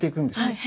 はい。